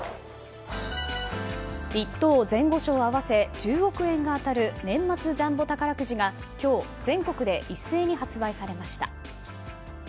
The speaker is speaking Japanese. １等前後賞合わせ１０億円が当たる年末ジャンボ宝くじが今日全国で一斉に発売されました。